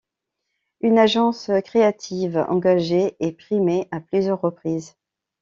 Une agence créative, engagée et primée à plusieurs reprises.